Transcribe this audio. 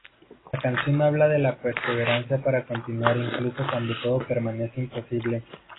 La canción habla de la perseverancia para continuar incluso cuando todo parece imposible.